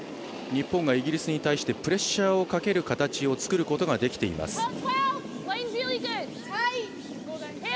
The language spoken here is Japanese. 日本がイギリスに対してプレッシャーをかける形を作ることができています。